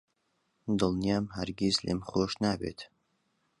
دڵنیام هەرگیز لێم خۆش نابێت.